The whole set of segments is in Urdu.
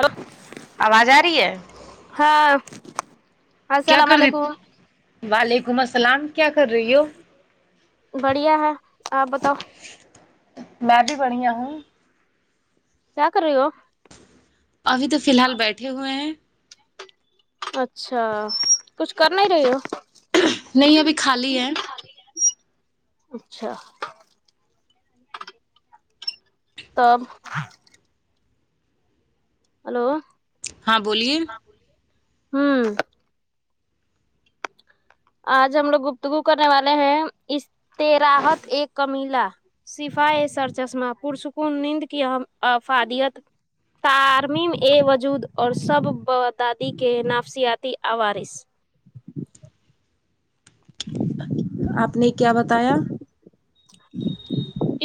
ہیلو آواز ا رہی ہے ہاں کیا السلام کر رہ علیکم وعلیکم السلام کیا کر رہی ہو بڑھیا ہے اپ بتاؤ میں بھی بڑھیا ہوں کیا کر رہی ہو ابھی تو فلحال بیٹھے ہوئے ہیں اچھا کچھ کر نہیں رہی ہو نہیں ابھی خالی ہیں اچھا تب ہیلو ہاں بولیے ہمم اج ہم لوگ گفتگو کرنے والے ہیں اس ت رحت ایک کمیلا سفائے سر چشمہ پرسکون نیند کی اہ افادیت ترمیم اے وجود اور سب ب دادی کے نافسیاتی اوارث اپ نے کیا بتایا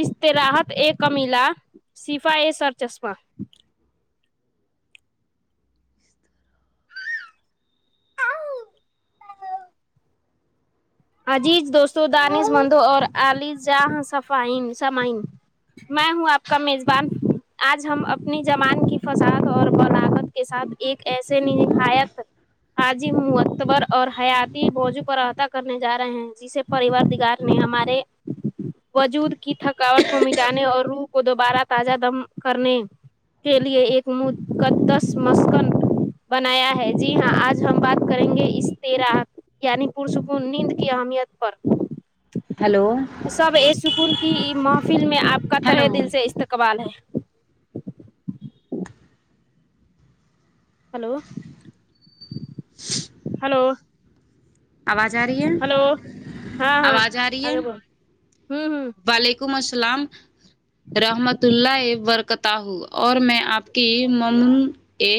اشتراحت ایک کمیلا صفا اے سرچشمہ عزیز دوستو دانش مندو اور علی جاں صفائی سمعن مام وہ آپ کا میزبان آج ہم اپنی زبان کی فضااد اور بلاغت کے ساتھ ایک ایسے نبھایت حاجی معتبر اور حیاتی بوجو پر عحطا کر جا رہے ہیں جسے پریوار دیگار نے ہمارے وجود کی تھکاوٹ کو مٹانے اور روح کو دوبارہ تازہ دم کرنے کے لئے ایک مقد دس مسکن بنایا ہے جی ہاں آج ہم بات کریں گے اس استراحت یعنی پش نیند کی اہمیت پر ہیلو سب اے سکون کی محفل میں اپ کا ہیلو تہ دل سے استقبال ہے ہیلو ہیلو آواز آ رہی ہے ہیلو ہاں ہاں آواز آ رہی ہے آگے ب ہم ہم وعلیکم السلام رحمت اللہ برکت ہوں اور میں آپ کی مم ا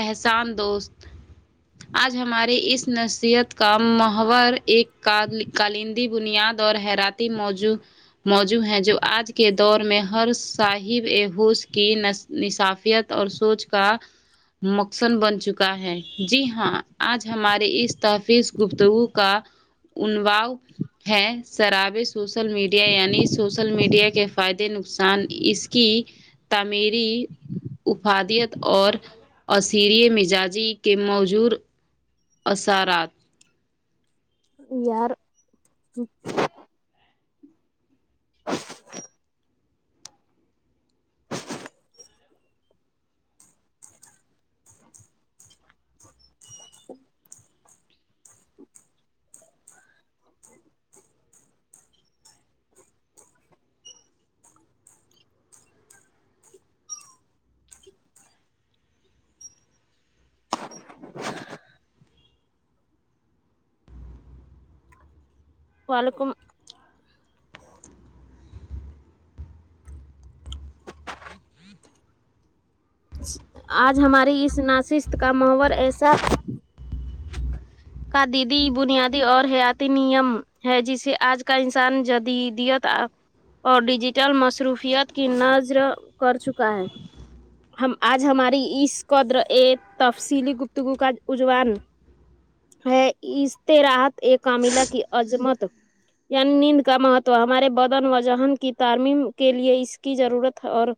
احسان دوست آج ہمارے اس نصیحت کا محور ایک کالندی بنیاد اور حیراتی موضو موجو ہیں جو آج کے دور میں ہر صاحب اوس کی ن نصافیت اور سوچ کا مقصد بن چکا ہے جی ہاں آج ہمارے اس تحفظ گفتگو کا انواؤ ہیں شرابے سوشل میڈیا یعنی سوشل میڈیا کے فائدے نقصان اس کی ت مری افادیت اور اسصری مزاجی کے موجور اسرات یار پلکم آج ہماری اس ناشست کا محور ایسا کا دیدی بنیادی اور حیاتی نیم ہے جسے آج کا انسان جدیدیت اور ڈیجیٹل مصروفیت کی نظر کر چکا ہے ہم آج ہماری اس قدر ا تفصیلی گپتگو کا اجوان ہے اس سے راحت ایک کاملہ کی عزمت یعنی نیند کا مہتو ہمارے بدن و جہن کی تعمیم کے لیے اس کی ضرورت اور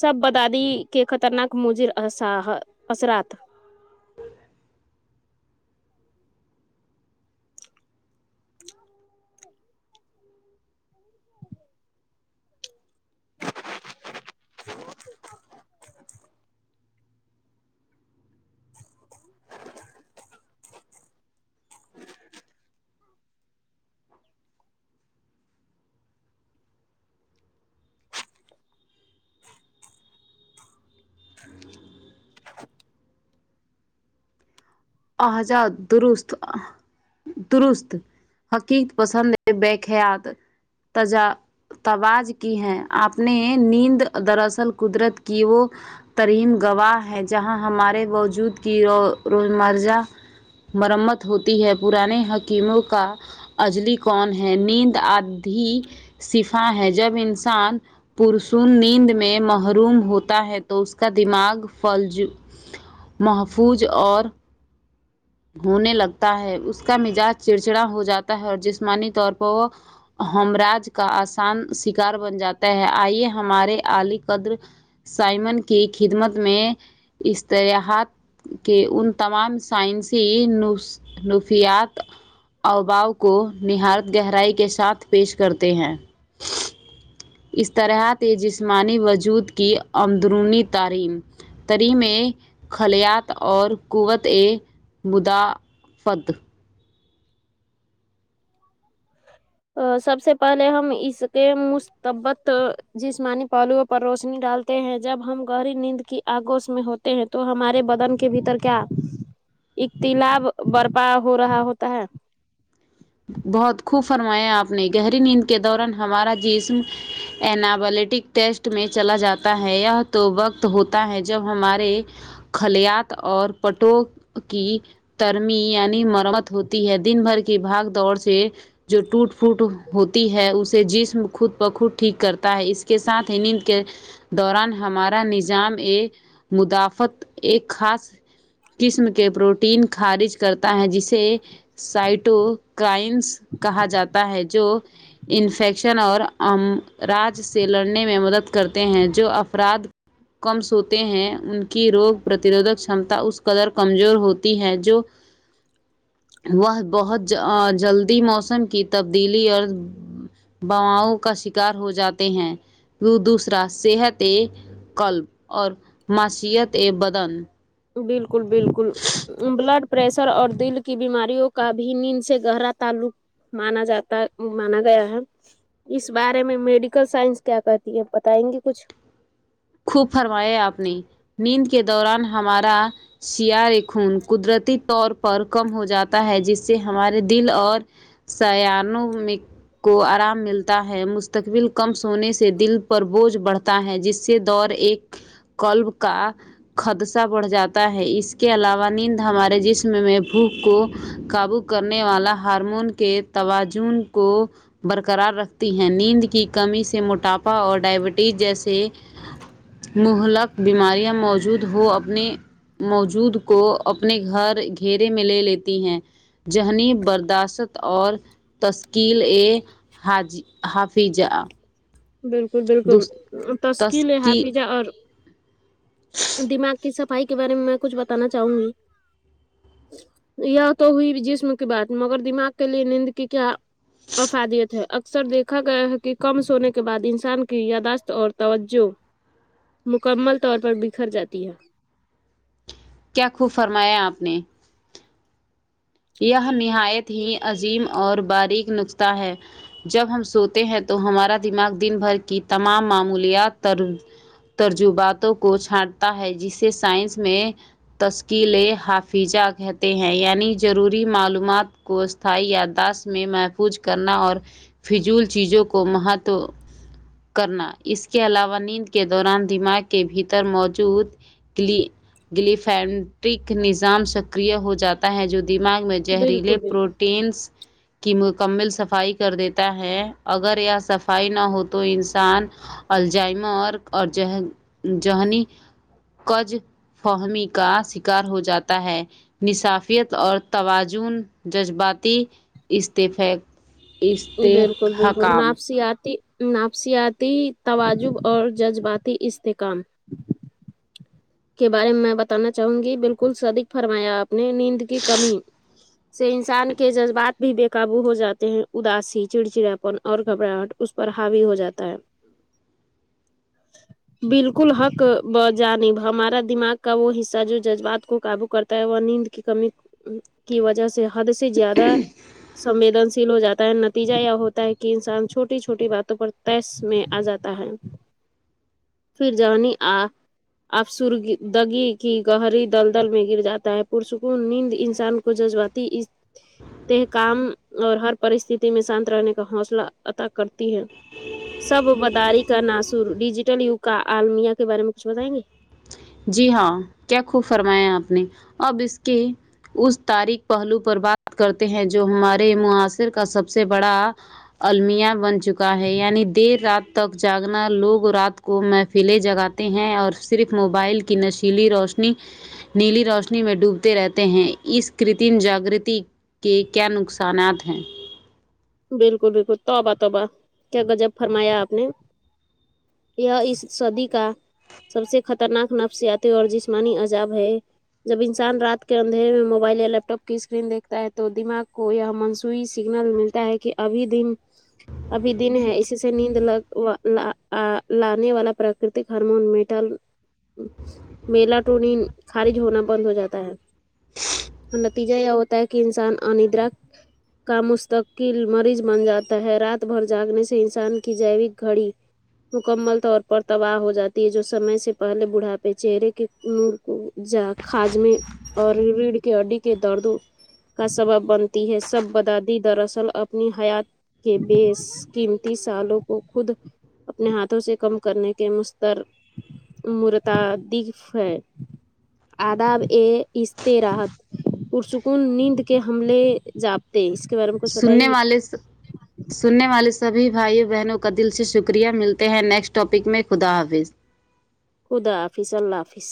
سب بدادی کے خطرناک مجر اثرات آہ جادرست درست حقیق پسند بخیات تجا توج کی ہے آپ نے نیند دراصل قدرت کی وہ تریم گواہ ہے جہاں ہمارے واوجود کی رو مر مرمت ہوتی ہے پرانے حکیموں کا اجلی کون ہے نیند آدھی سفا ہے جب انسان پرسون نیند میں محروم ہوتا ہے تو اس کا دماغ فج محفوظ اور ہونے لگتا ہے اس کا مزاج چڑچڑا ہو جاتا ہے اور جسمانی طور پر وہ ہمراج کا آسان شکار بن جاتا ہے آئیے ہمارے علی قدر سائمن کی خدمت میں اشتلاحات کے ان تمام نسی نفیات اباؤ کو نہاارت گہرائی کے ساتھ پیش کرتے ہیں اس طرح جسمانی وجود کی اندرونی تعلیم تریم خلیات اور قوت مدافت سب سے پہلے ہم اس کے مستبت جسمانی پلو پر روشنی ڈالتے ہیں جب ہم گہری نیند کی آگوش میں ہوتے ہیں تو ہمارے بدن کے بھیتر کیا اختلاب برپا ہو رہا ہوتا ہے بہت خوب فرمایا آپ نے گہری نیند کے دوران ہمارا جسم ابلیٹک ٹیسٹ میں چلا جاتا ہے تو وقت ہوتا ہے جب ہمارے خلیات اور پٹوں کی ترمی یعنی مرمت ہوتی ہے دن بھر کے بھاگ دڑ سے جو ٹوٹ پوٹ ہوتی ہے اسے جسم خود بخود ٹھیک کرتا ہے اس کے ساتھ ہی نیند کے دوران ہمارا نظام ایک مدافت ایک خاص قسم کے پروٹین خارج کرتا ہے جسے سائٹو کرائنس کہا جاتا ہے جو انفیکشن اور راج سے لڑنے میں مدد کرتے ہیں جو افراد کم سوتے ہیں ان کی روگ پرتروھک چمتا اس قدر کمزور ہوتی ہے جو وہ بہت جلدی موسم کی تبدیلی اور باؤ کا شکار ہو جاتے ہیں دوسرا صحت کلب اور ماصت یہ بدن بالکل بالکل بلڈ پریشر اور دل کی بیماریوں کا بھی نیند سے گہرا تعلق مانا جاتا مانا گیا ہے اس بارے میں میڈیکل سائنس کیا کرتی ہے بتائیں گے کچھ خوب فرماائے آپ نے نیند کے دوران ہمارا سیاار خون قدرتی طور پر کم ہو جاتا ہے جس سے ہمارے دل اور سیاان م کو آرام ملتا ہے مستقبل کم سونے سے دل پر بوجھ بڑھتا ہے جس سے دور ایک کلب کا خدشہ بڑھ جاتا ہے اس کے علاوہ نیند ہمارے جسم میں بھوک کو قابو کرنے والا ہارمون کے توازن کو برقرار رکھتی ہیں نیند کی کمی سے موٹاپا اور ڈائبٹیز جیسے مہلک بیماریاں موجود ہو اپنے موجود کو اپنے گھر گھیرے میں لے لیتی ہیں ذہنی برداشت اور تشکیل ا حاج حافظہ بالکل بالکل تشکی ہا تشکیل پی جا اور دماغ کی سب فھائی کے بارے میں کچھتانا چاہوں گی تو ہوئی جسم کی بات مگر دماغ کے لیے نیند کی کیا افادیت ہے اکثر دیکھا گیا ہے کہ کم سونے کے کے بعد انسان کی یاداشت اور توجہ مکمل طور پر بکھر جاتی ہے کیا خوب فرمایا آپ نے یہ نہایت ہی عظیم اور باریک نقتہ ہے جب ہم سوتے ہیں تو ہمارا دماغ دن بھر کی تمام معمولیات تر ترجباتوں کو چھانٹتا ہے جسے سائنس میں تشکیل حافظہ کہتے ہیں یعنی جو ضروری معلومات کو اسھائی یاداشت میں محفوظ کرنا اور فضول چیزوں کو مہت کرنا اس کے علاوہ نیند کے دوران دماغ کے بھیتر موجود گلیفینٹک نظام سکر ہو جاتا ہے جو دماغ میں زہریلے بالکل بالکل پروٹینس کے کی مکمل صفائی کر دیتا ہے اگر یہ صفائی نہ ہو تو انسان الجائمہ اور اور ج جہنی کج فہمی کا شکار ہو جاتا ہے نصافیت اور توازن جذباتی استعفق بالکل بالکل ناپس آتی نافسیاتی توجب اور جذباتی استحکام کے بارے میں میں بتانا چاہوں گی بالکل صدیک فرمایا آپ نے نیند کی کمی سے انسان کے جذبات بھی بے قابو ہو جاتے ہیں اداسی چڑچڑیاپن اور گھبراہٹ اس پر ہاوی ہو جاتا ہے ناقابل سماعت بالکل حق ب جانب ہمارا دماغ کا وہ حصہ جو جذبات کو قابو کرتا ہے وہ نیند کی کمی کی وجہ سے حد سے زیادہ سنویدن شیل ہو جاتا ہے نتیجہ یا ہوتا کہ انسان چھوٹی چھوٹی باتوں پر تیس میں آ جاتا ہے پھر جؤانی آ آب سر دگی کی گہری دلدل میں گر جاتا ہے پرسکون نیند انسان کو ججواتا ت اس ت کام اور ہر پرستتی میں شانت رہنے کا حوصلہ عطا کرتی ہے سب بداری کا ناصور ڈیجیٹل یوگ کا آالمیا کے بارے میں کچھ بتائیں گے جی ہاں کیا خوب فرمایا آپ نے اب اس کے اس تاریخ پہلو پر بات کرتے ہیں جو ہمارے معاصر کا سب سے بڑا المیا بن چکا ہے یعنی دیر رات تک جاگنا لوگ رات کو محفلیں جگاتے ہیں اور صرف مو بائل کی نشیلی روشنی نیلی روشنی میں ڈوبتے رہتے ہیں اس کرتم جاگگرتی کہ کیا نقصانات ہیں بالکل بالکل توبہ توبہ کیا غجب فرمایا آپ نے کیا اس سدی کا سب سے خطرناک نفسیاتی اور جسمانی عزاب ہے جب انسان رات کے اندھیرے میں موبائل یا لیپ ٹاپ کی اسکرین دیکھتا ہے تو دماغ کو من سوئی سگنل ملتا ہے کہ ابھی دن ابھی دن ہے اس سے نیند لگ وا لا اا لانے والا پر پراکتک ہارمون میٹال میلا ٹونی خارج ہونا بند ہو جاتا ہے نتیجہ یہ ہوتا ہے کہ انسان اندرا کا مستک کل مریض بن جاتا ہے رات بھر جاگنے سے انسان کی جیوک گھڑی مکمل طور پر تباہ ہو جاتی ہے جو سمے سے پہلے بوڑھا پہ چہرے کے جا کاجمی اور ریڑھ کے ہڈی کے دردوں کا سبب بنتی ہے سب بدادی دراصل اپنی حیات کے بیس قیمتی سالوں کو خود اپنے ہاتھوں سے کم کرنے کے مستر مرتاددیف ہے آداب ا استے راحت پرسکون نیند کے حملے جاپتے اس کے بارے میں کچھ بتائیں سننے گی والے سننے والے سبھی بھائیوں بہنوں کا دل سے شکریہ ملتے ہیں نیکسٹ ٹاپک میں خدا حافظ خدا حافظ اللہ حافظ